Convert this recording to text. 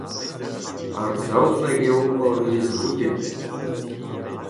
Ar saozneg eo hor yezh voutin !